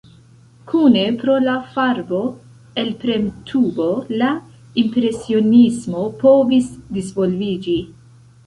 Kune pro la farbo-elpremtubo la impresionismo povis disvolviĝi.